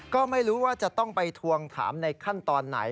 ก็ไม่รู้ว่าจะต้องไปทวงถามในขั้นตอนไหน